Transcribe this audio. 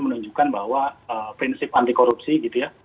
menunjukkan bahwa prinsip anti korupsi gitu ya